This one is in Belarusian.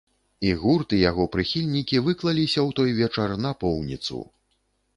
І гурт, і яго прыхільнікі выклаліся ў той вечар напоўніцу!